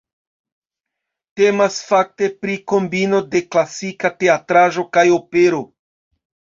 Temas fakte pri kombino de klasika teatraĵo kaj opero.